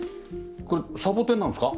これサボテンなんですか？